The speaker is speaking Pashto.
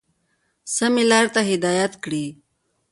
سمي لاري ته هدايت كړي،